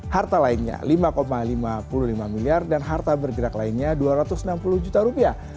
harta lainnya lima lima puluh lima miliar dan harta bergerak lainnya dua ratus enam puluh juta rupiah